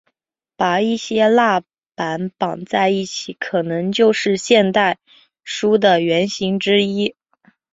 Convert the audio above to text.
把一些蜡板绑在一起可能就是现代书的原型之一。